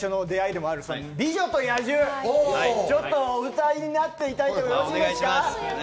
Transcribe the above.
お２人の最初の出会いでもある『美女と野獣』、ちょっとお歌いになっていただいてもよろしいですか？